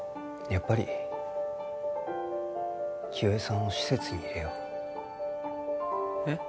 やっぱり清江さんを施設に入れよう。